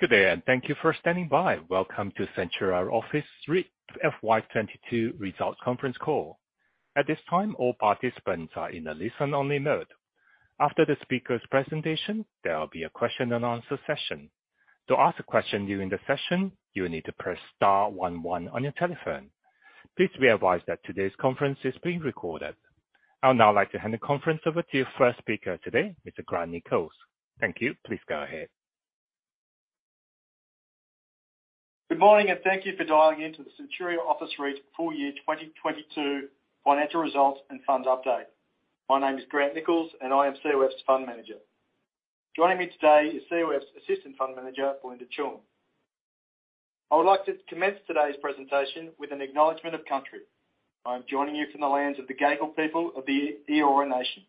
Good day, and thank you for standing by. Welcome to Centuria Office REIT FY 2022 Results Conference Call. At this time, all participants are in a listen-only mode. After the speaker's presentation, there will be a question and answer session. To ask a question during the session, you will need to press star one one on your telephone. Please be advised that today's conference is being recorded. I would now like to hand the conference over to your first speaker today, Mr. Grant Nichols. Thank you. Please go ahead. Good morning, and thank you for dialing in to the Centuria Office REIT Full Year 2022 financial results and funds update. My name is Grant Nichols, and I am COF's Fund Manager. Joining me today is COF's Assistant Fund Manager, Belinda Cheung. I would like to commence today's presentation with an acknowledgement of country. I'm joining you from the lands of the Gadigal people of the Eora Nation.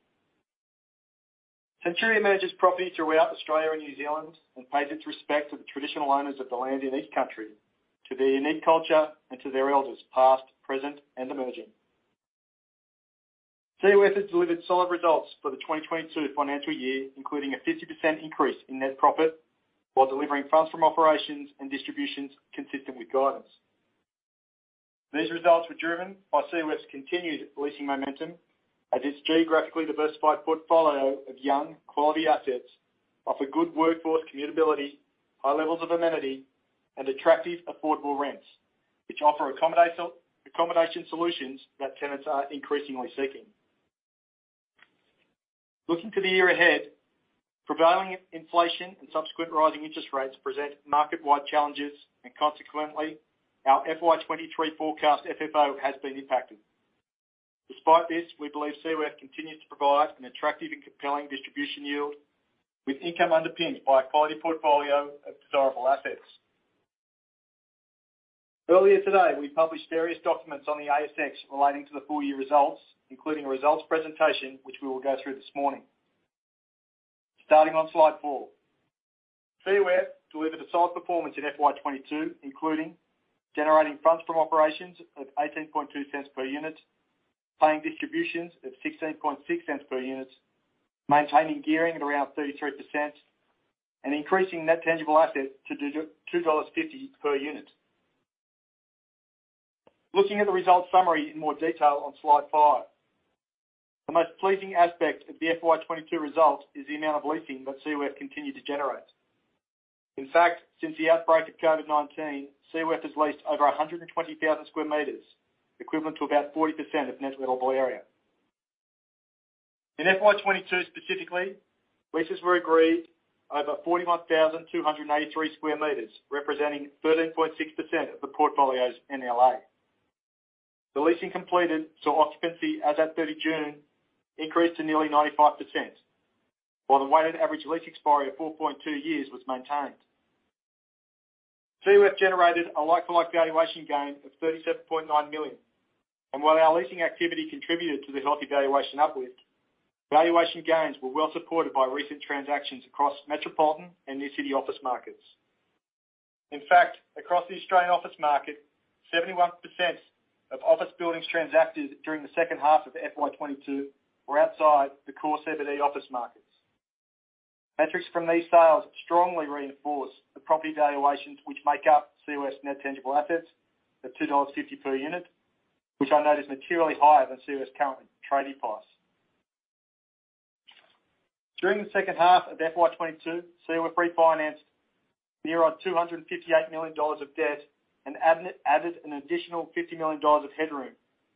Centuria manages property throughout Australia and New Zealand and pays its respects to the traditional owners of the land in each country, to their unique culture, and to their elders past, present, and emerging. COF has delivered solid results for the 2022 financial year, including a 50% increase in net profit while delivering funds from operations and distributions consistent with guidance. These results were driven by COF's continued leasing momentum as its geographically diversified portfolio of young quality assets offer good workforce commutability, high levels of amenity, and attractive, affordable rents, which offer accommodation solutions that tenants are increasingly seeking. Looking to the year ahead, prevailing inflation and subsequent rising interest rates present market-wide challenges, and consequently, our FY 2023 forecast FFO has been impacted. Despite this, we believe COF continues to provide an attractive and compelling distribution yield with income underpinned by a quality portfolio of desirable assets. Earlier today, we published various documents on the ASX relating to the full year results, including a results presentation, which we will go through this morning. Starting on slide four. COF delivered a solid performance in FY 2022, including generating funds from operations of 0.182 per unit, paying distributions of 0.166 per unit, maintaining gearing at around 33%, and increasing net tangible assets to 2.50 dollars per unit. Looking at the results summary in more detail on slide five. The most pleasing aspect of the FY 2022 results is the amount of leasing that COF continued to generate. In fact, since the outbreak of COVID-19, COF has leased over 120,000 sq m, equivalent to about 40% of net lettable area. In FY 2022, specifically, leases were agreed over 41,283 sq m, representing 13.6% of the portfolio's NLA. The leasing completed saw occupancy as at 30 June increased to nearly 95%, while the weighted average lease expiry of 4.2 years was maintained. COF generated a like-for-like valuation gain of 37.9 million. While our leasing activity contributed to the healthy valuation uplift, valuation gains were well supported by recent transactions across metropolitan and near city office markets. In fact, across the Australian office market, 71% of office buildings transacted during the second half of FY 2022 were outside the core CBD office markets. Metrics from these sales strongly reinforce the property valuations which make up COF's net tangible assets at 2.50 dollars per unit, which I note is materially higher than COF's current trading price. During the second half of FY 2022, COF refinanced nearly AUD 258 million of debt and added an additional AUD 50 million of headroom,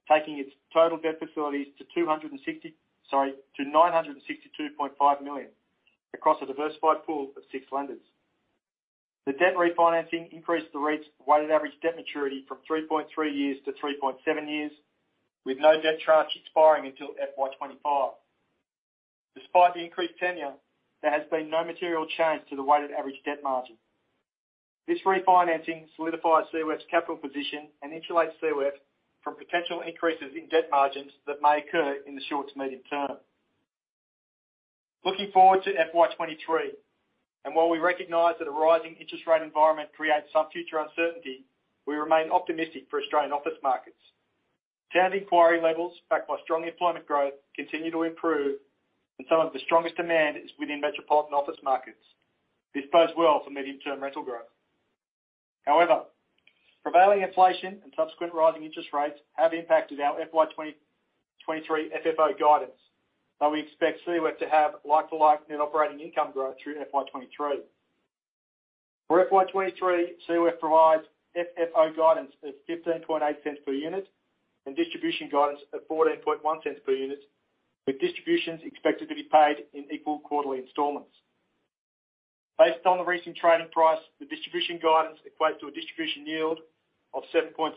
taking its total debt facilities to 962.5 million across a diversified pool of six lenders. The debt refinancing increased the REIT's weighted average debt maturity from 3.3 years to 3.7 years, with no debt tranche expiring until FY 2025. Despite the increased tenure, there has been no material change to the weighted average debt margin. This refinancing solidifies COF's capital position and insulates COF from potential increases in debt margins that may occur in the short to medium term. Looking forward to FY 2023, while we recognize that a rising interest rate environment creates some future uncertainty, we remain optimistic for Australian office markets. Tenant inquiry levels backed by strong employment growth continue to improve, and some of the strongest demand is within metropolitan office markets. This bodes well for medium-term rental growth. However, prevailing inflation and subsequent rising interest rates have impacted our FY 2023 FFO guidance. We expect COF to have like-for-like net operating income growth through FY 2023. For FY 2023, COF provides FFO guidance of 0.158 per unit and distribution guidance at 0.141 per unit, with distributions expected to be paid in equal quarterly installments. Based on the recent trading price, the distribution guidance equates to a distribution yield of 7.7%,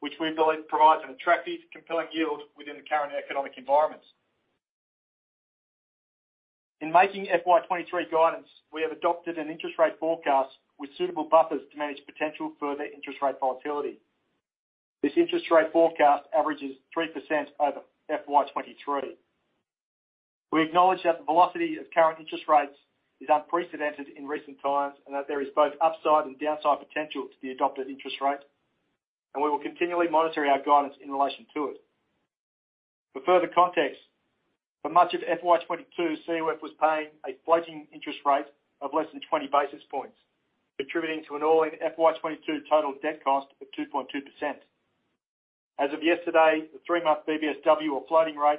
which we believe provides an attractive, compelling yield within the current economic environment. In making FY 2023 guidance, we have adopted an interest rate forecast with suitable buffers to manage potential further interest rate volatility. This interest rate forecast averages 3% over FY 2023. We acknowledge that the velocity of current interest rates is unprecedented in recent times and that there is both upside and downside potential to the adopted interest rate, and we will continually monitor our guidance in relation to it. For further context, for much of FY 2022, COF was paying a floating interest rate of less than 20 basis points, contributing to an all-in FY 2022 total debt cost of 2.2%. As of yesterday, the three-month BBSW or floating rate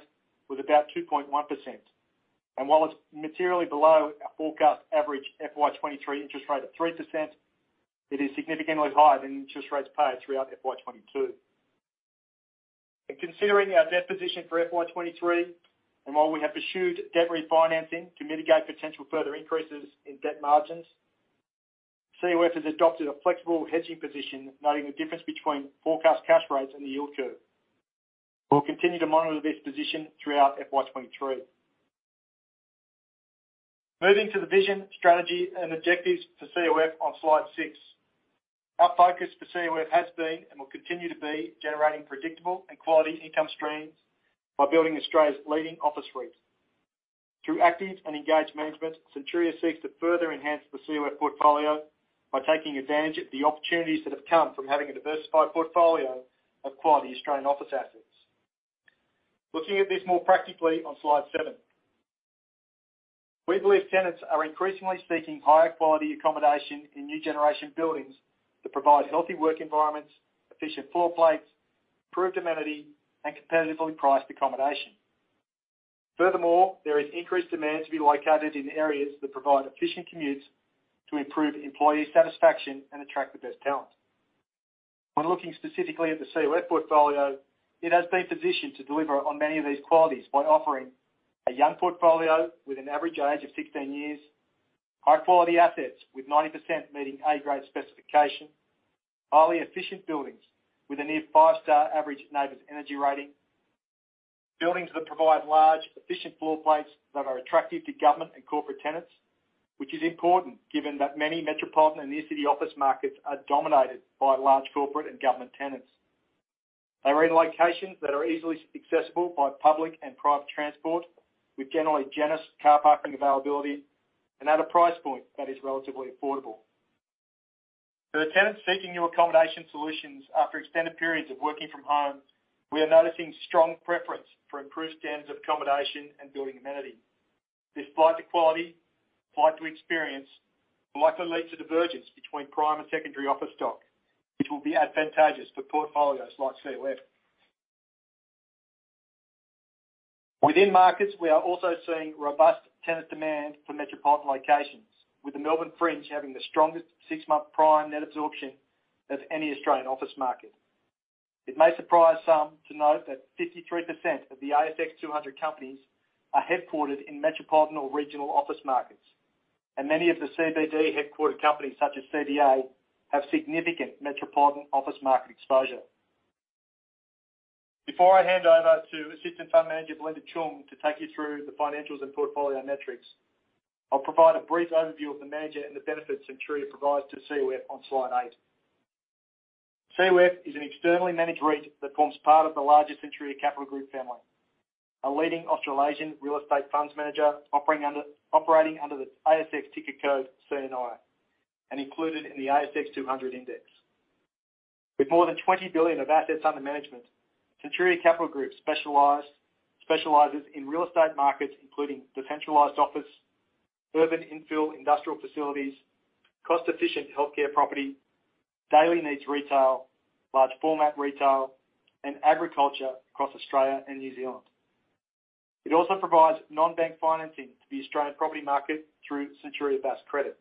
was about 2.1%. While it's materially below our forecast average FY 2023 interest rate of 3%, it is significantly higher than interest rates paid throughout FY 2022. In considering our debt position for FY 2023, while we have pursued debt refinancing to mitigate potential further increases in debt margins, COF has adopted a flexible hedging position, noting the difference between forecast cash rates and the yield curve. We'll continue to monitor this position throughout FY 2023. Moving to the vision, strategy, and objectives for COF on slide six. Our focus for COF has been and will continue to be generating predictable and quality income streams by building Australia's leading office REIT. Through active and engaged management, Centuria seeks to further enhance the COF portfolio by taking advantage of the opportunities that have come from having a diversified portfolio of quality Australian office assets. Looking at this more practically on slide seven. We believe tenants are increasingly seeking higher quality accommodation in new generation buildings that provide healthy work environments, efficient floor plates, improved amenity, and competitively priced accommodation. Furthermore, there is increased demand to be located in areas that provide efficient commutes to improve employee satisfaction and attract the best talent. When looking specifically at the COF portfolio, it has been positioned to deliver on many of these qualities by offering a young portfolio with an average age of 16 years, high-quality assets with 90% meeting A grade specification, highly efficient buildings with a near 5-star average NABERS energy rating, buildings that provide large, efficient floor plates that are attractive to government and corporate tenants, which is important given that many metropolitan and inner-city office markets are dominated by large corporate and government tenants. They are in locations that are easily accessible by public and private transport, with generally generous car parking availability and at a price point that is relatively affordable. For the tenants seeking new accommodation solutions after extended periods of working from home, we are noticing strong preference for improved standards of accommodation and building amenity. This flight to quality, flight to experience, will likely lead to divergence between prime and secondary office stock, which will be advantageous for portfolios like COF. Within markets, we are also seeing robust tenant demand for metropolitan locations, with the Melbourne Fringe having the strongest six-month prime net absorption of any Australian office market. It may surprise some to note that 53% of the ASX 200 companies are headquartered in metropolitan or regional office markets, and many of the CBD headquartered companies, such as CBA, have significant metropolitan office market exposure. Before I hand over to Assistant Fund Manager, Belinda Cheung, to take you through the financials and portfolio metrics, I'll provide a brief overview of the manager and the benefits Centuria provides to COF on slide eight. COF is an externally managed REIT that forms part of the larger Centuria Capital Group family, a leading Australasian real estate funds manager operating under the ASX ticker code CNI, and included in the ASX 200 index. With more than 20 billion of assets under management, Centuria Capital Group specializes in real estate markets including decentralized office, urban infill industrial facilities, cost-efficient healthcare property, daily needs retail, large format retail, and agriculture across Australia and New Zealand. It also provides non-bank financing to the Australian property market through Centuria Bass Credit.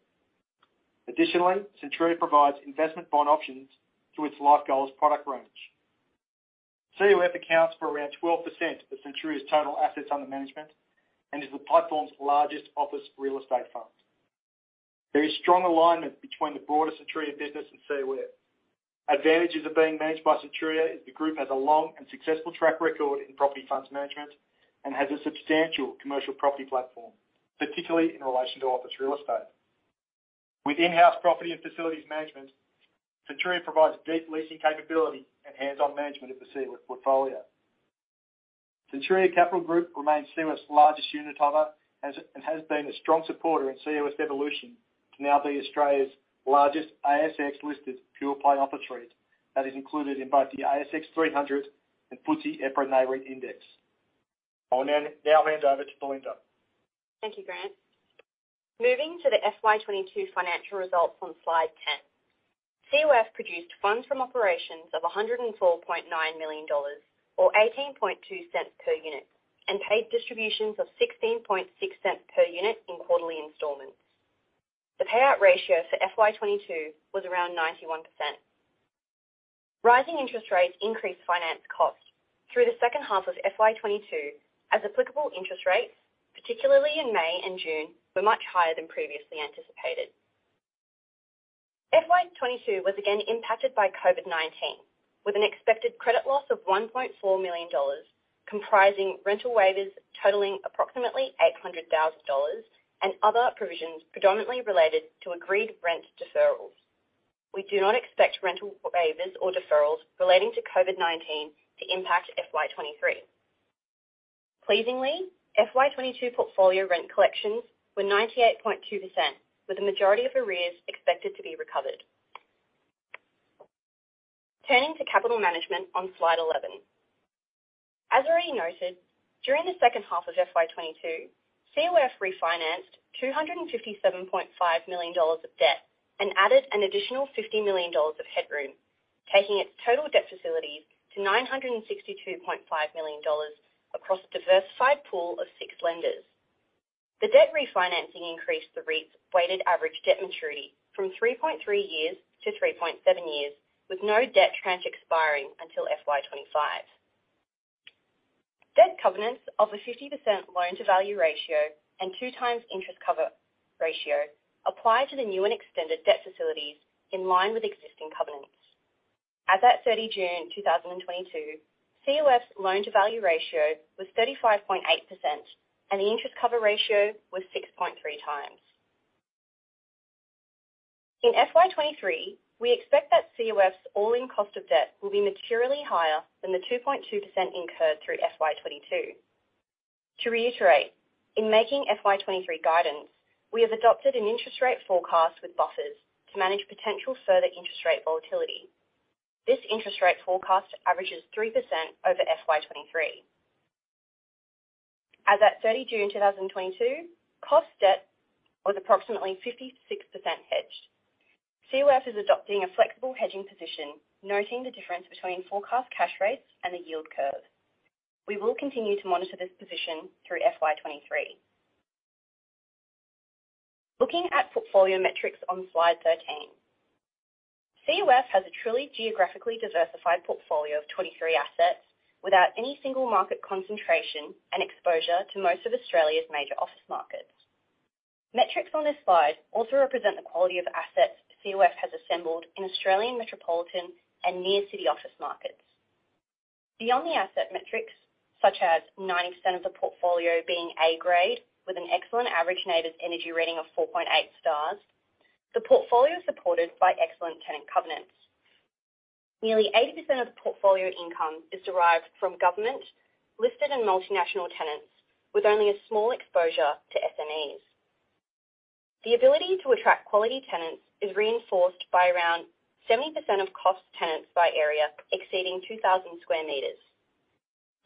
Additionally, Centuria provides investment bond options through its LifeGoals product range. COF accounts for around 12% of Centuria's total assets under management and is the platform's largest office real estate fund. There is strong alignment between the broader Centuria business and COF. Advantages of being managed by Centuria is the group has a long and successful track record in property funds management and has a substantial commercial property platform, particularly in relation to office real estate. With in-house property and facilities management, Centuria provides deep leasing capability and hands-on management of the COF portfolio. Centuria Capital Group remains COF's largest unitholder as it and has been a strong supporter in COF's evolution to now be Australia's largest ASX-listed pure-play office REIT that is included in both the ASX 300 and FTSE EPRA Nareit index. I will now hand over to Belinda. Thank you, Grant. Moving to the FY 2022 financial results on slide 10. COF produced funds from operations of 104.9 million dollars or 0.182 per unit, and paid distributions of 0.166 per unit in quarterly installments. The payout ratio for FY 2022 was around 91%. Rising interest rates increased finance costs through the second half of FY 2022 as applicable interest rates, particularly in May and June, were much higher than previously anticipated. FY 2022 was again impacted by COVID-19, with an expected credit loss of 1.4 million dollars, comprising rental waivers totaling approximately 800,000 dollars and other provisions predominantly related to agreed rent deferrals. We do not expect rental waivers or deferrals relating to COVID-19 to impact FY 2023. Pleasingly, FY 2022 portfolio rent collections were 98.2%, with the majority of arrears expected to be recovered. Turning to capital management on slide 11. As already noted, during the second half of FY 2022, COF refinanced 257.5 million dollars of debt and added an additional 50 million dollars of headroom, taking its total debt facilities to 962.5 million dollars across a diversified pool of six lenders. The debt refinancing increased the REIT's weighted average debt maturity from 3.3 years to 3.7 years, with no debt tranche expiring until FY 2025. Debt covenants of a 50% loan-to-value ratio and 2x interest cover ratio apply to the new and extended debt facilities in line with existing covenants. As at 30 June 2022, COF's loan-to-value ratio was 35.8%, and the interest cover ratio was 6.3x. In FY 2023, we expect that COF's all-in cost of debt will be materially higher than the 2.2% incurred through FY 2022. To reiterate, in making FY 2023 guidance, we have adopted an interest rate forecast with buffers to manage potential further interest rate volatility. This interest rate forecast averages 3% over FY 2023. As at 30 June 2022, cost debt was approximately 56% hedged. COF is adopting a flexible hedging position, noting the difference between forecast cash rates and the yield curve. We will continue to monitor this position through FY 2023. Looking at portfolio metrics on slide 13. COF has a truly geographically diversified portfolio of 23 assets without any single market concentration and exposure to most of Australia's major office markets. Metrics on this slide also represent the quality of assets COF has assembled in Australian metropolitan and near city office markets. Beyond the asset metrics, such as 9% of the portfolio being A-grade with an excellent average NABERS energy rating of 4.8-stars, the portfolio is supported by excellent tenant covenants. Nearly 80% of portfolio income is derived from government, listed, and multinational tenants, with only a small exposure to SMEs. The ability to attract quality tenants is reinforced by around 70% of COF tenants by area exceeding 2,000 sq m.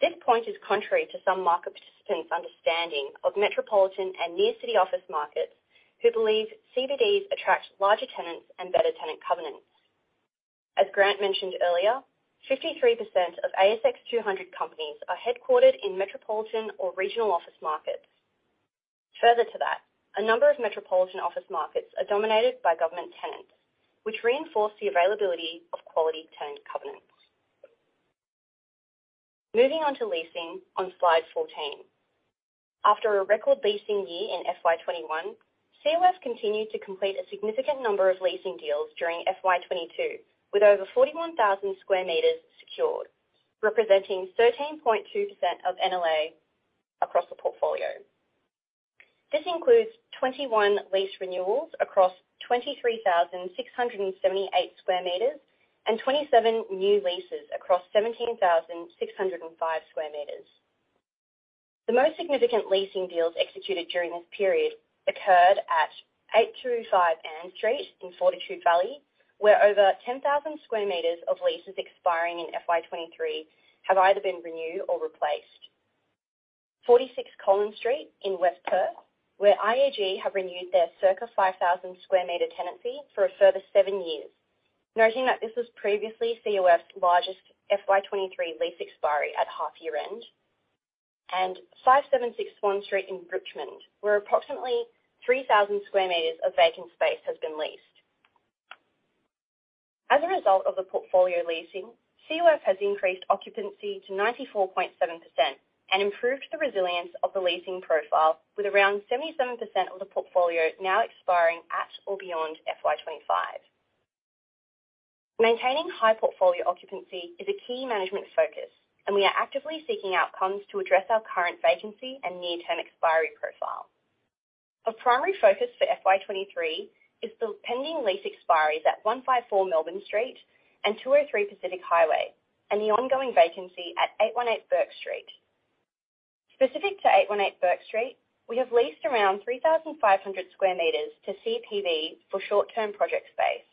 This point is contrary to some market participants' understanding of metropolitan and near city office markets, who believe CBDs attract larger tenants and better tenant covenants. As Grant mentioned earlier, 53% of ASX 200 companies are headquartered in metropolitan or regional office markets. Further to that, a number of metropolitan office markets are dominated by government tenants, which reinforce the availability of quality tenant covenants. Moving on to leasing on slide 14. After a record leasing year in FY 2021, COF continued to complete a significant number of leasing deals during FY 2022, with over 41,000 sq m secured, representing 13.2% of NLA across the portfolio. This includes 21 lease renewals across 23,678 sq m and 27 new leases across 17,605 sq m. The most significant leasing deals executed during this period occurred at 825 Ann Street in Fortitude Valley, where over 10,000 sq m of leases expiring in FY 2023 have either been renewed or replaced. 46 Colin Street in West Perth, where IAG have renewed their circa 5,000 sq m tenancy for a further seven years. Noting that this was previously COF's largest FY 2023 lease expiry at half-year-end. 576 Swan Street in Richmond, where approximately 3,000 sq m of vacant space has been leased. As a result of the portfolio leasing, COF has increased occupancy to 94.7% and improved the resilience of the leasing profile with around 77% of the portfolio now expiring at or beyond FY 2025. Maintaining high portfolio occupancy is a key management focus, and we are actively seeking outcomes to address our current vacancy and near-term expiry profile. A primary focus for FY 2023 is the pending lease expiries at 154 Melbourne Street and 203 Pacific Highway and the ongoing vacancy at 818 Bourke Street. Specific to 818 Bourke Street, we have leased around 3,500 sq m to CPB for short-term project space.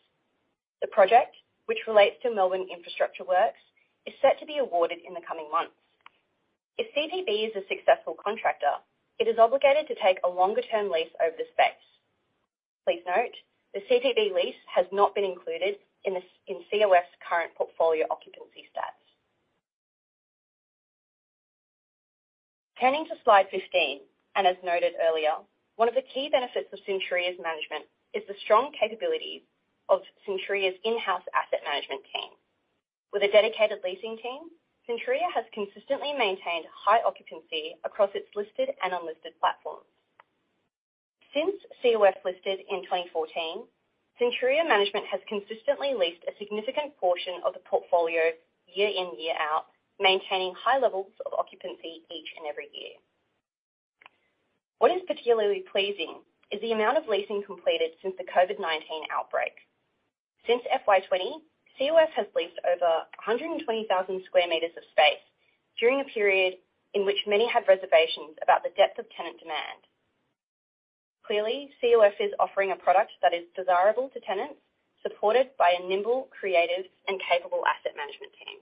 The project, which relates to Melbourne infrastructure works, is set to be awarded in the coming months. If CPB is a successful contractor, it is obligated to take a longer-term lease over the space. Please note, the CPB lease has not been included in COF's current portfolio occupancy stats. Turning to slide 15, as noted earlier, one of the key benefits of Centuria's management is the strong capabilities of Centuria's in-house asset management team. With a dedicated leasing team, Centuria has consistently maintained high occupancy across its listed and unlisted platforms. Since COF listed in 2014, Centuria management has consistently leased a significant portion of the portfolio year in, year out, maintaining high levels of occupancy each and every year. What is particularly pleasing is the amount of leasing completed since the COVID-19 outbreak. Since FY 2020, COF has leased over 120,000 sq m of space during a period in which many had reservations about the depth of tenant demand. Clearly, COF is offering a product that is desirable to tenants, supported by a nimble, creative, and capable asset management team.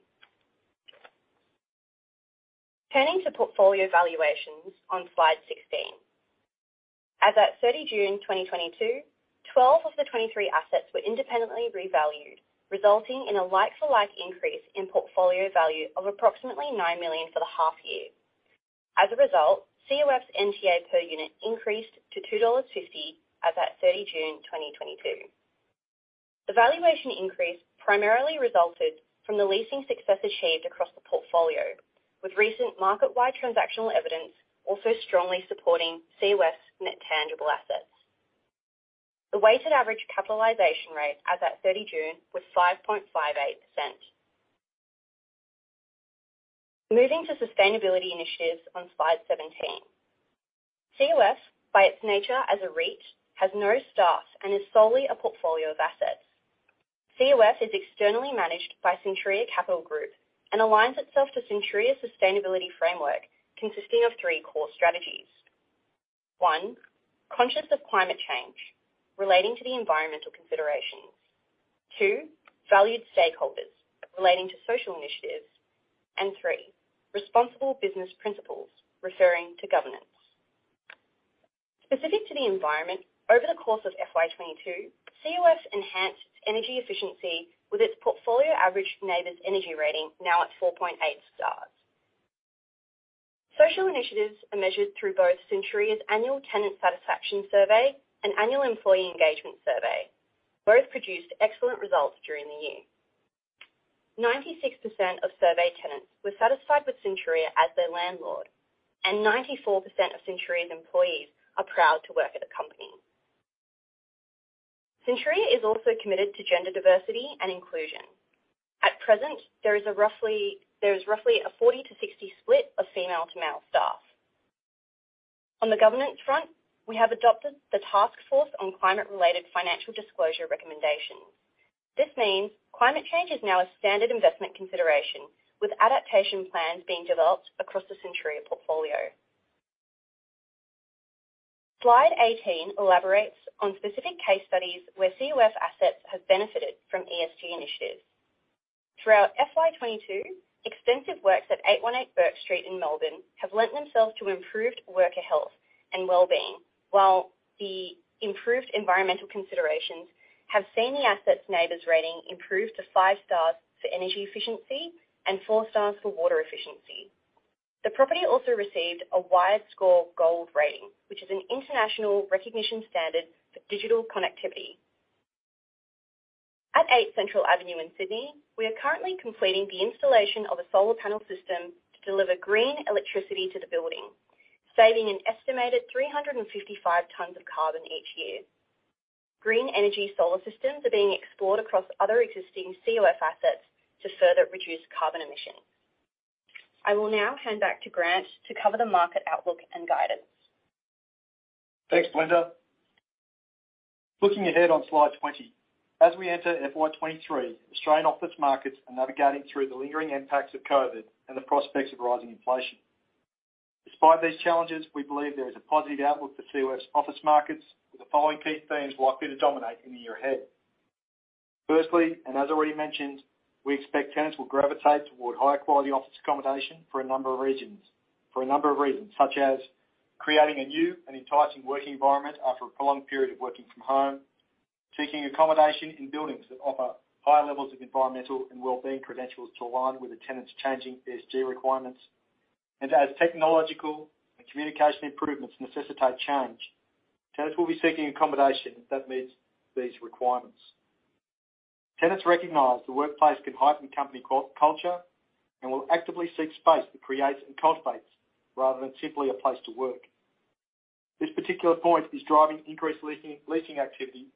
Turning to portfolio valuations on slide 16. As at 30 June 2022, 12 of the 23 assets were independently revalued, resulting in a like-for-like increase in portfolio value of approximately 9 million for the half year. As a result, COF's NTA per unit increased to 2.50 dollars as at 30 June 2022. The valuation increase primarily resulted from the leasing success achieved across the portfolio, with recent market-wide transactional evidence also strongly supporting COF's net tangible assets. The weighted average capitalization rate as at 30 June was 5.58%. Moving to sustainability initiatives on slide 17. COF, by its nature as a REIT, has no staff and is solely a portfolio of assets. COF is externally managed by Centuria Capital Group and aligns itself to Centuria's sustainability framework, consisting of three core strategies. One, conscious of climate change, relating to the environmental considerations. Two, valued stakeholders, relating to social initiatives. Three, responsible business principles, referring to governance. Specific to the environment, over the course of FY 2022, COF enhanced its energy efficiency with its portfolio average NABERS energy rating now at 4.8-stars. Social initiatives are measured through both Centuria's annual tenant satisfaction survey and annual employee engagement survey. Both produced excellent results during the year. 96% of survey tenants were satisfied with Centuria as their landlord, and 94% of Centuria's employees are proud to work at the company. Centuria is also committed to gender diversity and inclusion. At present, there is roughly a 40-60 split of female to male staff. On the governance front, we have adopted the Task Force on Climate-related Financial Disclosures recommendations. This means climate change is now a standard investment consideration, with adaptation plans being developed across the Centuria portfolio. Slide 18 elaborates on specific case studies where COF assets have benefited from ESG initiatives. Throughout FY 2022, extensive works at 818 Bourke Street in Melbourne have lent themselves to improved worker health and well-being, while the improved environmental considerations have seen the asset's NABERS rating improve to 5-stars for energy efficiency and 4-stars for water efficiency. The property also received a WiredScore Gold rating, which is an international recognition standard for digital connectivity. At 8 Central Avenue in Sydney, we are currently completing the installation of a solar panel system to deliver green electricity to the building, saving an estimated 355 tons of carbon each year. Green energy solar systems are being explored across other existing COF assets to further reduce carbon emissions. I will now hand back to Grant to cover the market outlook and guidance. Thanks, Belinda. Looking ahead on slide 20. As we enter FY 2023, Australian office markets are navigating through the lingering impacts of COVID and the prospects of rising inflation. Despite these challenges, we believe there is a positive outlook for COF's office markets, with the following key themes likely to dominate in the year ahead. Firstly, and as already mentioned, we expect tenants will gravitate toward higher quality office accommodation for a number of reasons, such as creating a new and enticing working environment after a prolonged period of working from home, seeking accommodation in buildings that offer higher levels of environmental and well-being credentials to align with the tenants' changing ESG requirements. As technological and communication improvements necessitate change, tenants will be seeking accommodation that meets these requirements. Tenants recognize the workplace can heighten company culture and will actively seek space that creates and cultivates rather than simply a place to work. This particular point is driving increased leasing activity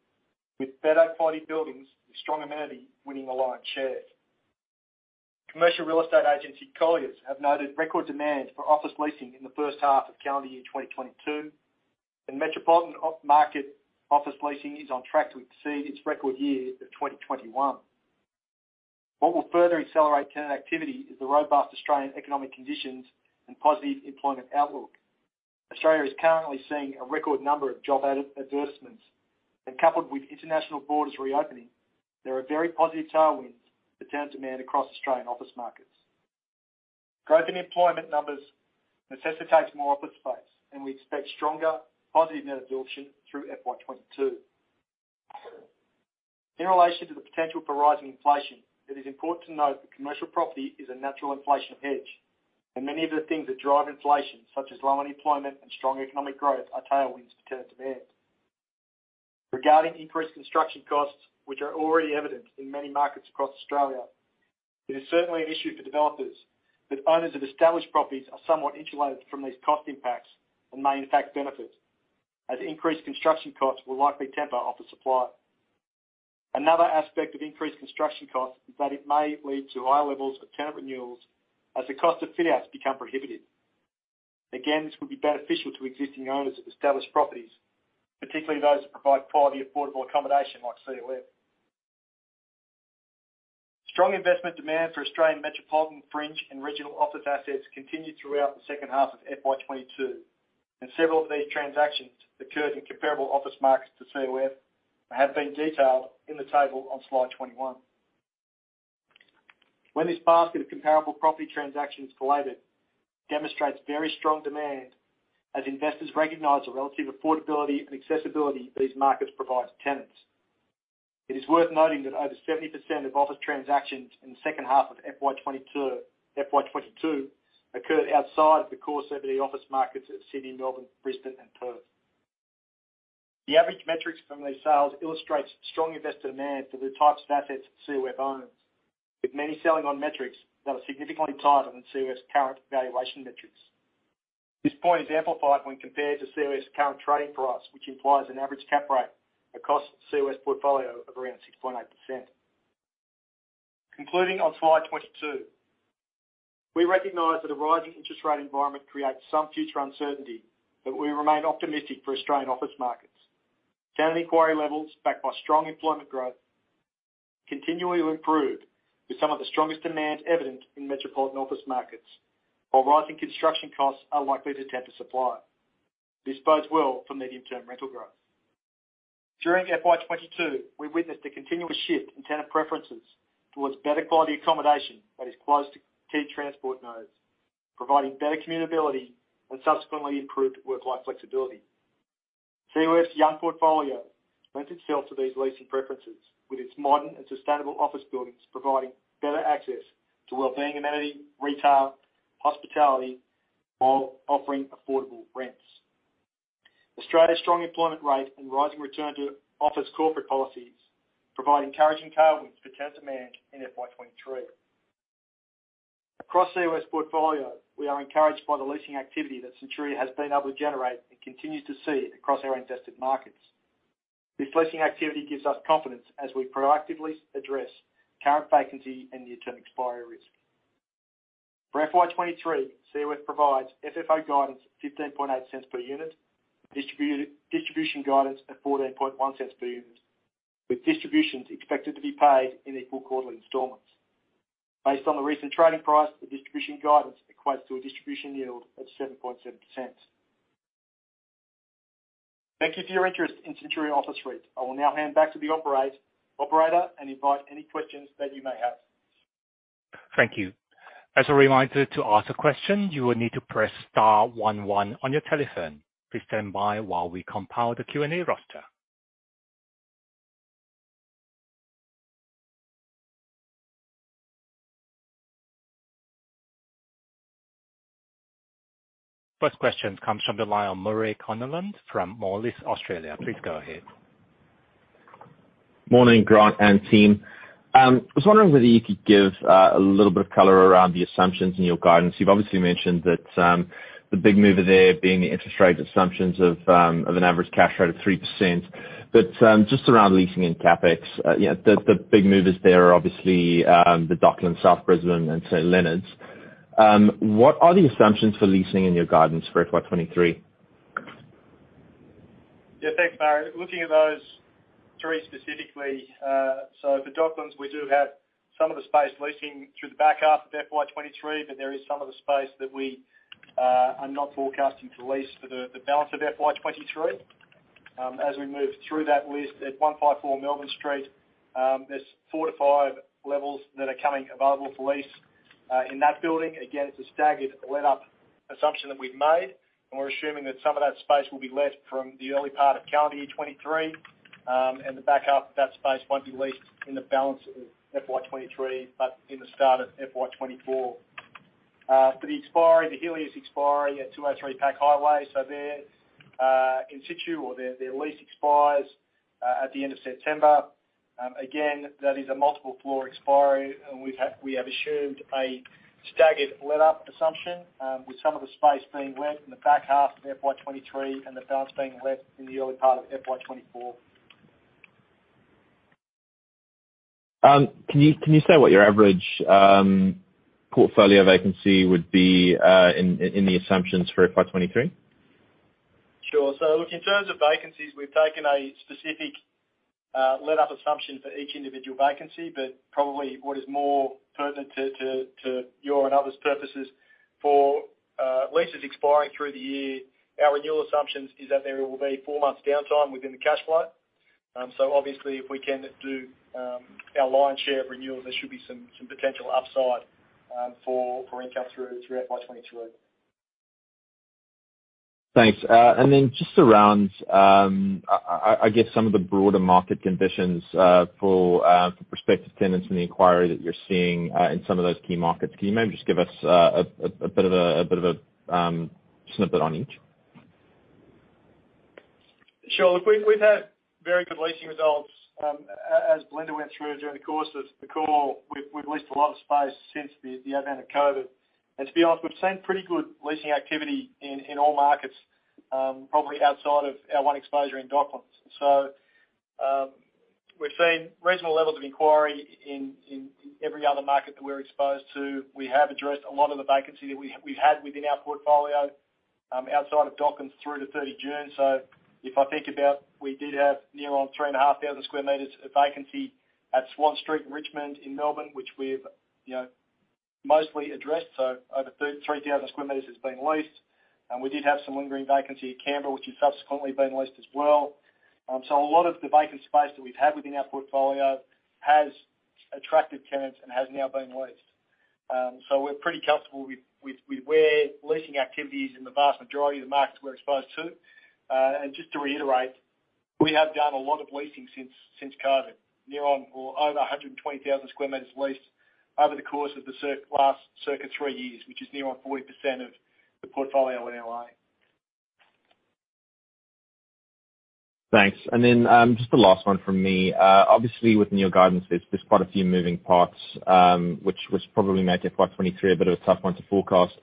with better quality buildings with strong amenity winning a large share. Commercial real estate agency Colliers have noted record demand for office leasing in the first half of calendar year 2022, and metropolitan market office leasing is on track to exceed its record year of 2021. What will further accelerate tenant activity is the robust Australian economic conditions and positive employment outlook. Australia is currently seeing a record number of job advertisements, and coupled with international borders reopening, there are very positive tailwinds for tenant demand across Australian office markets. Growth in employment numbers necessitates more office space, and we expect stronger positive net absorption through FY 2022. In relation to the potential for rising inflation, it is important to note that commercial property is a natural inflation hedge, and many of the things that drive inflation, such as low unemployment and strong economic growth, are tailwinds to tenant demand. Regarding increased construction costs, which are already evident in many markets across Australia, it is certainly an issue for developers, but owners of established properties are somewhat insulated from these cost impacts and may in fact benefit, as increased construction costs will likely temper office supply. Another aspect of increased construction costs is that it may lead to higher levels of tenant renewals as the cost of fit outs become prohibitive. Again, this could be beneficial to existing owners of established properties, particularly those that provide quality, affordable accommodation like COF. Strong investment demand for Australian metropolitan fringe and regional office assets continued throughout the second half of FY 2022, and several of these transactions occurred in comparable office markets to COF and have been detailed in the table on slide 21. When this basket of comparable property transactions collated demonstrates very strong demand as investors recognize the relative affordability and accessibility these markets provide to tenants. It is worth noting that over 70% of office transactions in the second half of FY 2022 occurred outside the core CBD office markets of Sydney, Melbourne, Brisbane, and Perth. The average metrics from these sales illustrates strong investor demand for the types of assets COF owns, with many selling on metrics that are significantly tighter than COF's current valuation metrics. This point is amplified when compared to COF's current trading price, which implies an average cap rate across COF's portfolio of around 6.8%. Concluding on slide 22. We recognize that a rising interest rate environment creates some future uncertainty, but we remain optimistic for Australian office markets. Tenant inquiry levels, backed by strong employment growth, continue to improve with some of the strongest demand evident in metropolitan office markets, while rising construction costs are likely to temper supply. This bodes well for medium-term rental growth. During FY 2022, we witnessed a continuous shift in tenant preferences towards better quality accommodation that is close to key transport nodes, providing better commutability and subsequently improved work-life flexibility. COF's young portfolio lends itself to these leasing preferences, with its modern and sustainable office buildings providing better access to wellbeing amenities, retail, hospitality, while offering affordable rents. Australia's strong employment rate and rising return to office corporate policies provide encouraging tailwinds for tenant demand in FY 2023. Across COF's portfolio, we are encouraged by the leasing activity that Centuria has been able to generate and continues to see across our invested markets. This leasing activity gives us confidence as we proactively address current vacancy and near-term expiry risk. For FY 2023, COF provides FFO guidance 0.158 per unit, distributed, distribution guidance at 0.141 per unit, with distributions expected to be paid in equal quarterly installments. Based on the recent trading price, the distribution guidance equates to a distribution yield at 7.7%. Thank you for your interest in Centuria Office REIT. I will now hand back to the operator and invite any questions that you may have. Thank you. As a reminder, to ask a question, you will need to press star one one on your telephone. Please stand by while we compile the Q&A roster. First question comes from the line of Murray Connellan from Moelis Australia. Please go ahead. Morning, Grant and team. I was wondering whether you could give a little bit of color around the assumptions in your guidance. You've obviously mentioned that the big mover there being the interest rate assumptions of an average cash rate of 3%. Just around leasing and CapEx, you know, the big movers there are obviously the Docklands, South Brisbane, and St. Leonards. What are the assumptions for leasing in your guidance for FY 2023? Yeah, thanks, Murray. Looking at those three specifically, so for Docklands, we do have some of the space leasing through the back half of FY 2023, but there is some of the space that we are not forecasting to lease for the balance of FY 2023. As we move through that lease at 154 Melbourne Street, there's 4-5 levels that are coming available for lease in that building. Again, it's a staggered letting assumption that we've made, and we're assuming that some of that space will be let from the early part of calendar year 2023, and the back half of that space won't be leased in the balance of FY 2023, but in the start of FY 2024. For the expiry, the Healius expiry at 203 Pacific Highway, so their in situ or their lease expires at the end of September. Again, that is a multiple floor expiry and we have assumed a staggered letting assumption with some of the space being let in the back half of FY 2023 and the balance being let in the early part of FY 2024. Can you say what your average portfolio vacancy would be in the assumptions for FY 2023? Sure. Look, in terms of vacancies, we've taken a specific lease-up assumption for each individual vacancy, but probably what is more pertinent to your and others' purposes for leases expiring through the year, our renewal assumptions is that there will be four months downtime within the cash flow. Obviously if we can do our lion's share of renewals, there should be some potential upside for income through FY 2022. Thanks. Then just around, I guess, some of the broader market conditions for prospective tenants and the inquiry that you're seeing in some of those key markets. Can you maybe just give us a bit of a snippet on each? Sure. Look, we've had very good leasing results. As Belinda went through during the course of the call, we've leased a lot of space since the advent of COVID. To be honest, we've seen pretty good leasing activity in all markets, probably outside of our one exposure in Docklands. We've seen reasonable levels of inquiry in every other market that we're exposed to. We have addressed a lot of the vacancy that we've had within our portfolio. Outside of Docklands through to 30 June. If I think about, we did have near on 3,500 sq m of vacancy at Swan Street in Richmond, in Melbourne, which we've, you know, mostly addressed. Over 3,000 sq m has been leased. We did have some lingering vacancy at Canberra, which has subsequently been leased as well. A lot of the vacant space that we've had within our portfolio has attracted tenants and has now been leased. We're pretty comfortable with where leasing activity is in the vast majority of the markets we're exposed to. Just to reiterate, we have done a lot of leasing since COVID. Near on or over 120,000 sq m leased over the course of the last three years, which is near on 40% of the portfolio NLA. Thanks. Just the last one from me. Obviously with new guidance, there's quite a few moving parts, which probably make FY 2023 a bit of a tough one to forecast.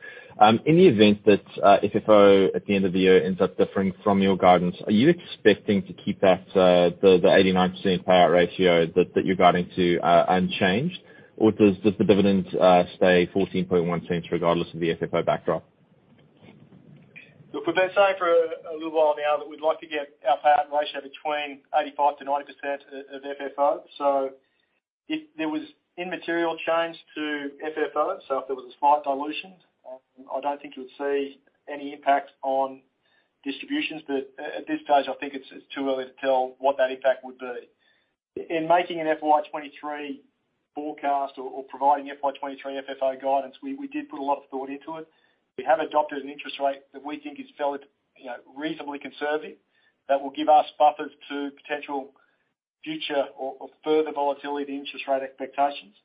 In the event that FFO at the end of the year ends up differing from your guidance, are you expecting to keep that the 89% payout ratio that you're guiding to unchanged? Or does the dividend stay 0.141 regardless of the FFO backdrop? Look, we've been saying for a little while now that we'd like to get our payout ratio between 85%-90% of FFO. If there was immaterial change to FFO, if there was a slight dilution, I don't think you would see any impact on distributions. At this stage, I think it's too early to tell what that impact would be. In making an FY 2023 forecast or providing FY 2023 FFO guidance, we did put a lot of thought into it. We have adopted an interest rate that we think is fairly, you know, reasonably conservative that will give us buffers to potential future or further volatility in interest rate expectations.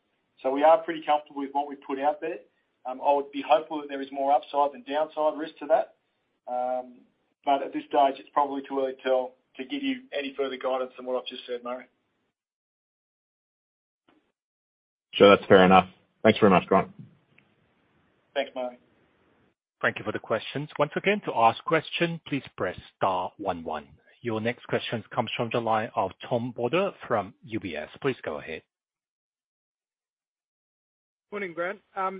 We are pretty comfortable with what we've put out there. I would be hopeful that there is more upside than downside risk to that. At this stage, it's probably too early to tell, to give you any further guidance on what I've just said, Murray. Sure. That's fair enough. Thanks very much, Grant. Thanks, Murray. Thank you for the questions. Once again, to ask question, please press star one one. Your next question comes from the line of Tom Bodor from UBS. Please go ahead. Morning, Grant. I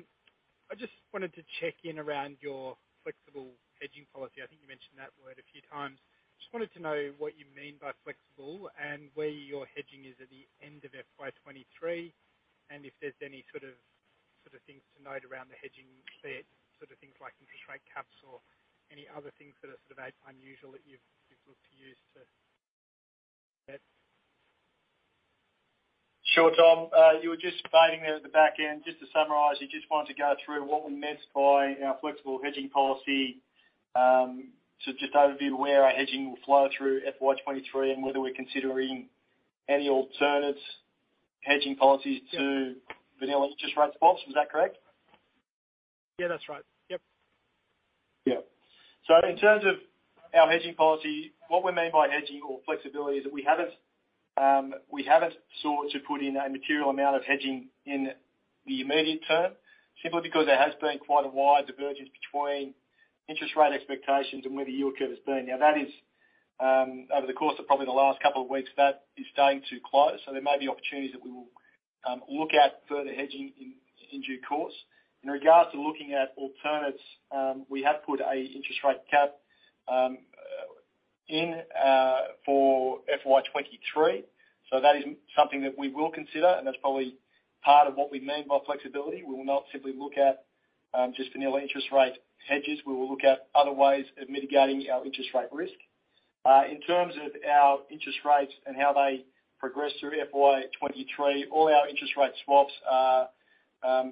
just wanted to check in around your flexible hedging policy. I think you mentioned that word a few times. Just wanted to know what you mean by flexible and where your hedging is at the end of FY 2023, and if there's any sort of things to note around the hedging there, sort of things like interest rate caps or any other things that are sort of unusual that you've looked to use to hedge. Sure, Tom. You were just fading there at the back end. Just to summarize, you just wanted to go through what we meant by our flexible hedging policy, to just overview where our hedging will flow through FY 2023 and whether we're considering any alternate hedging policies to vanilla interest rate swaps. Is that correct? Yeah, that's right. Yep. Yeah. In terms of our hedging policy, what we mean by hedging or flexibility is that we haven't sought to put in a material amount of hedging in the immediate term simply because there has been quite a wide divergence between interest rate expectations and where the yield curve has been. Now that is over the course of probably the last couple of weeks, that is starting to close. There may be opportunities that we will look at further hedging in due course. In regards to looking at alternatives, we have put an interest rate cap in for FY 2023. That is something that we will consider, and that's probably part of what we mean by flexibility. We will not simply look at just vanilla interest rate hedges. We will look at other ways of mitigating our interest rate risk. In terms of our interest rates and how they progress through FY 2023, all our interest rate swaps are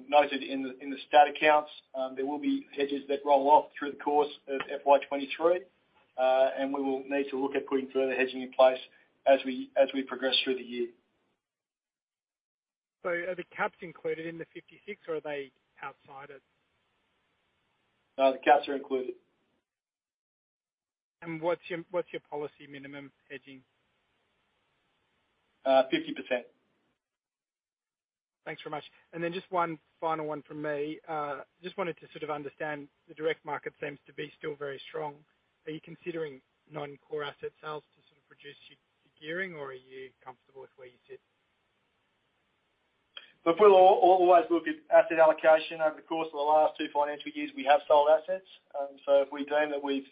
noted in the statutory accounts. There will be hedges that roll off through the course of FY 2023. We will need to look at putting further hedging in place as we progress through the year. Are the caps included in the 56, or are they outside it? No, the caps are included. What's your policy minimum hedging? 50%. Thanks very much. Just one final one from me. Just wanted to sort of understand the direct market seems to be still very strong. Are you considering non-core asset sales to sort of reduce your gearing, or are you comfortable with where you sit? Look, we'll always look at asset allocation. Over the course of the last two financial years, we have sold assets. If we deem that we've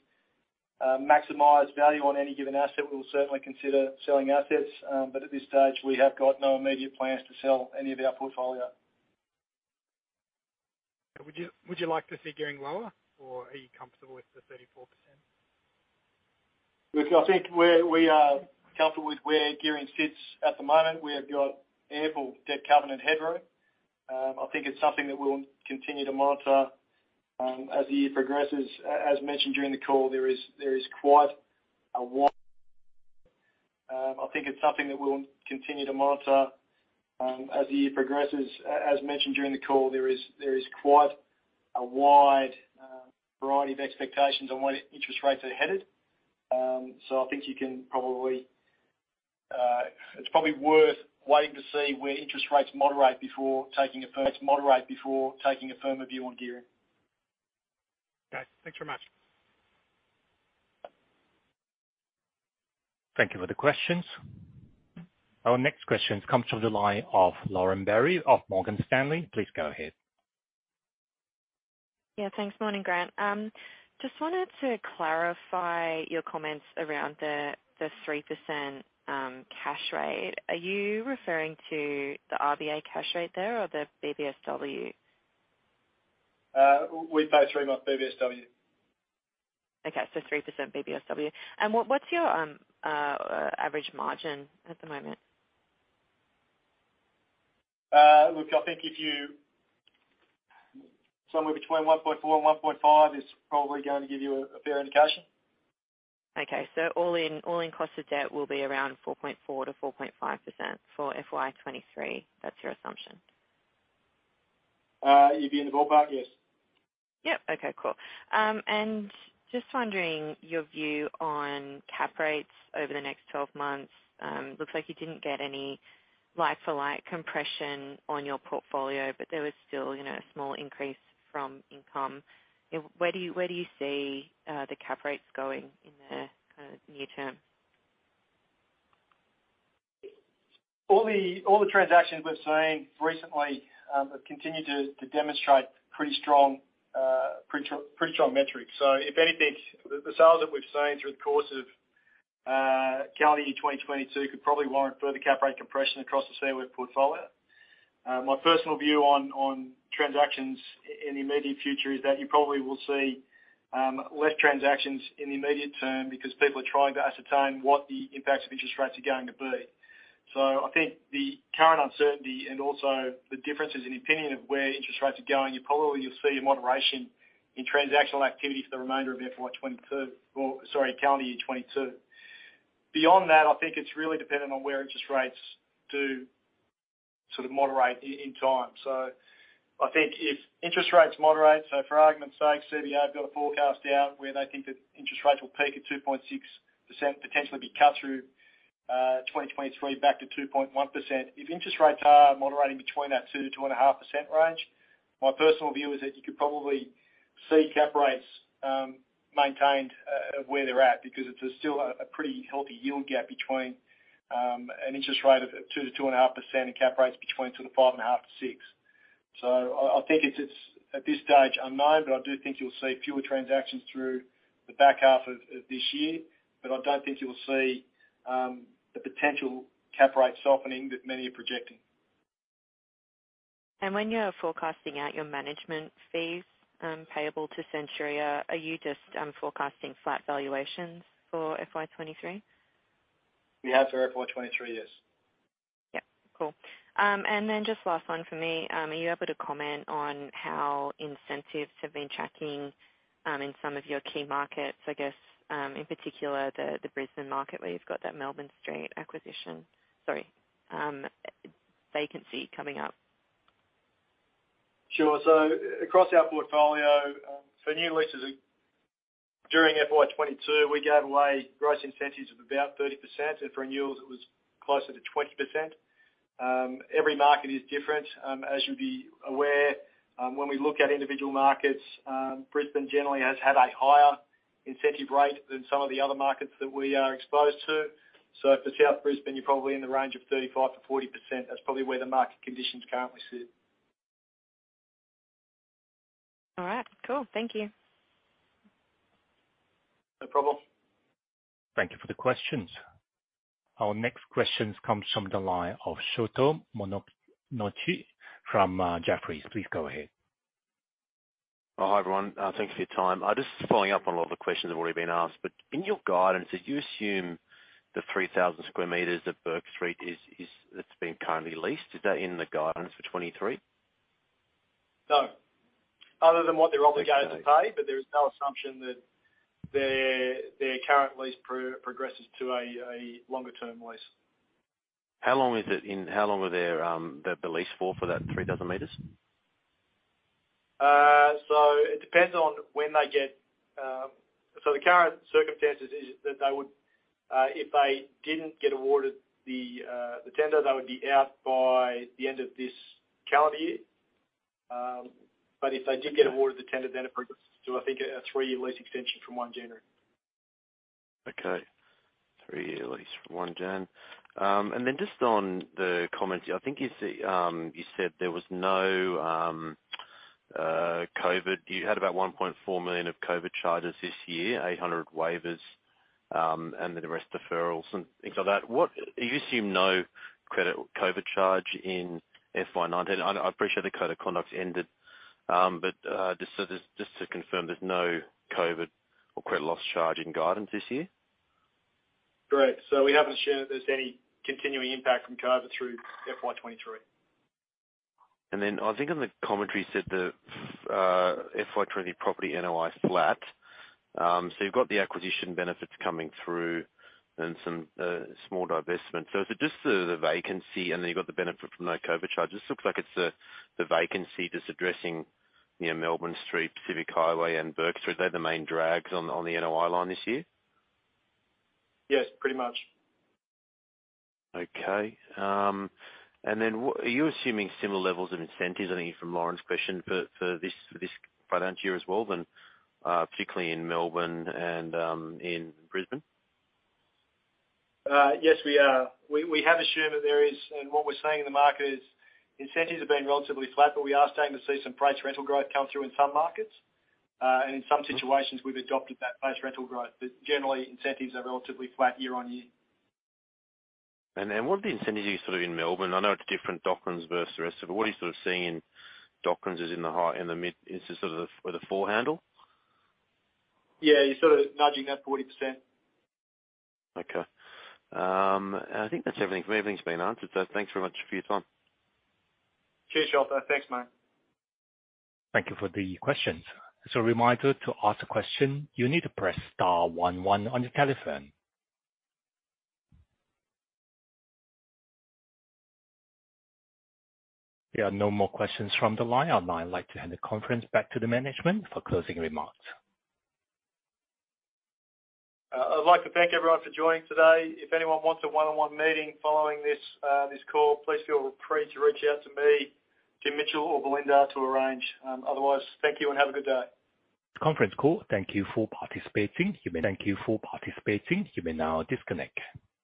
maximized value on any given asset, we will certainly consider selling assets. At this stage, we have got no immediate plans to sell any of our portfolio. Would you like to see gearing lower, or are you comfortable with the 34%? Look, I think we are comfortable with where gearing sits at the moment. We have got ample debt covenant headroom. I think it's something that we'll continue to monitor as the year progresses. As mentioned during the call, there is quite a wide variety of expectations on where interest rates are headed. So I think you can probably. It's probably worth waiting to see where interest rates moderate before taking a firmer view on gearing. Okay. Thanks very much. Thank you for the questions. Our next question comes from the line of Lauren Berry of Morgan Stanley. Please go ahead. Thanks. Morning, Grant. Just wanted to clarify your comments around the 3% cash rate. Are you referring to the RBA cash rate there or the BBSW? We pay three months BBSW. Okay. 3% BBSW. What's your average margin at the moment? Look, I think somewhere between 1.4 and 1.5 is probably going to give you a fair indication. Okay. All in cost of debt will be around 4.4%-4.5% for FY 2023. That's your assumption? You'd be in the ballpark, yes. Yep. Okay, cool. Just wondering your view on cap rates over the next 12 months. Looks like you didn't get any like-for-like compression on your portfolio, but there was still, you know, a small increase from income. Where do you see the cap rates going in the kinda near term? All the transactions we've seen recently have continued to demonstrate pretty strong metrics. If anything, the sales that we've seen through the course of calendar year 2022 could probably warrant further cap rate compression across the COF portfolio. My personal view on transactions in the immediate future is that you probably will see less transactions in the immediate term because people are trying to ascertain what the impacts of interest rates are going to be. I think the current uncertainty and also the differences in opinion of where interest rates are going, you'll see a moderation in transactional activity for the remainder of FY 2022, or calendar year 2022. Beyond that, I think it's really dependent on where interest rates do sort of moderate in time. I think if interest rates moderate, for argument's sake, CBA have got a forecast out where they think that interest rates will peak at 2.6%, potentially be cut through 2023 back to 2.1%. If interest rates are moderating between that 2%-2.5% range, my personal view is that you could probably see cap rates maintained where they're at because there's still a pretty healthy yield gap between an interest rate of 2%-2.5% and cap rates between sort of 5.5%-6%. I think it's at this stage unknown, but I do think you'll see fewer transactions through the back half of this year. I don't think you will see the potential cap rate softening that many are projecting. When you are forecasting out your management fees, payable to Centuria, are you just forecasting flat valuations for FY 2023? We have for FY 2023, yes. Yep, cool. Just last one for me. Are you able to comment on how incentives have been tracking in some of your key markets, I guess, in particular the Brisbane market where you've got that Melbourne Street vacancy coming up? Sure. Across our portfolio, for new leases, during FY 2022 we gave away gross incentives of about 30%, and for renewals it was closer to 20%. Every market is different. As you'd be aware, when we look at individual markets, Brisbane generally has had a higher incentive rate than some of the other markets that we are exposed to. For South Brisbane, you're probably in the range of 35%-40%. That's probably where the market conditions currently sit. All right, cool. Thank you. No problem. Thank you for the questions. Our next question comes from the line of Sholto Maconochie from Jefferies. Please go ahead. Oh, hi, everyone. Thanks for your time. I'm just following up on a lot of the questions that have already been asked, but in your guidance, did you assume the 3,000 sq m at Bourke Street is that's been currently leased? Is that in the guidance for 2023? No. Other than what they're obligated to pay. Okay. There is no assumption that their current lease progresses to a longer term lease. How long is the lease for that 3,000 m? It depends on when they get. The current circumstances is that they would, if they didn't get awarded the tender, they would be out by the end of this calendar year. If they did get awarded the tender, then it progresses to, I think, a three-year lease extension from 1 January. Okay. Three-year lease from 1 January. I think you said there was no COVID. You had about 1.4 million of COVID charges this year, 800 waivers, and then the rest deferrals and things like that. You assume no COVID charge in FY 2019. I appreciate the code of conduct ended, but just to confirm, there's no COVID or credit loss charge in guidance this year? Correct. We haven't assumed that there's any continuing impact from COVID through FY 2023. I think in the commentary you said the FY 2020 property NOI is flat. You've got the acquisition benefits coming through and some small divestment. If it is the vacancy and then you've got the benefit from no COVID charge, this looks like it's the vacancy that's addressing, you know, Melbourne Street, Pacific Highway and Bourke Street. Are they the main drags on the NOI line this year? Yes, pretty much. Okay. What are you assuming similar levels of incentives, I think from Lauren's question, for this financial year as well then, particularly in Melbourne and in Brisbane? Yes, we are. We have assumed that there is, and what we're seeing in the market is incentives have been relatively flat, but we are starting to see some prime rental growth come through in some markets. In some situations we've adopted that base rental growth. Generally, incentives are relatively flat year on year. What are the incentives sort of in Melbourne? I know it's different, Docklands versus the rest of it. What are you sort of seeing in Docklands? Is it in the high, in the mid? Is it sort of the four handle? Yeah, you're sort of nudging that 40%. Okay. I think that's everything for me. Everything's been answered. Thanks very much for your time. Cheers, Sholto. Thanks, mate. Thank you for the questions. As a reminder, to ask a question, you need to press star one one on your telephone. There are no more questions from the line. I'd now like to hand the conference back to the management for closing remarks. I'd like to thank everyone for joining today. If anyone wants a one-on-one meeting following this call, please feel free to reach out to me, Jesse Curtis or Belinda to arrange. Otherwise, thank you and have a good day. This concludes the conference call. Thank you for participating. You may now disconnect.